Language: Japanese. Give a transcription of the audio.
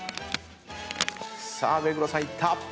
さあ目黒さんいった。